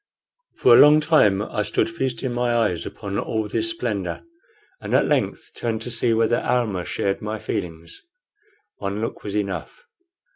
For a long time I stood feasting my eyes upon all this splendor, and at length turned to see whether Almah shared my feelings. One look was enough.